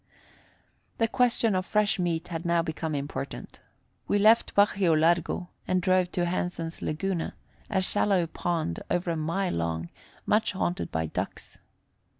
The question of fresh meat had now become important. We left Bajio Largo and drove to Hansen's Laguna, a shallow pond over a mile long, much haunted by ducks.